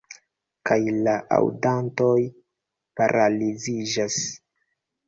Kaj la aŭdantoj paraliziĝas.